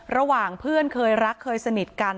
ระหว่างเพื่อนเคยรักเคยสนิทกัน